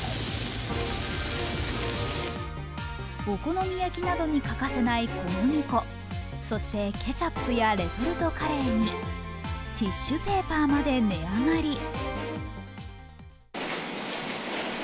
お好み焼きなどに欠かせない小麦粉そしてケチャップやレトルトカレーにティッシュペーパーまで値上がり。